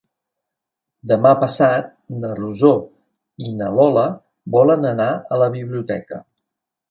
Demà passat na Rosó i na Lola volen anar a la biblioteca.